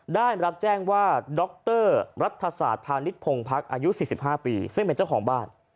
ได้รับแจ้งว่าดรรัฐศาสตร์พาณิชยพงพักอายุ๔๕ปีซึ่งเป็นเจ้าของบ้าน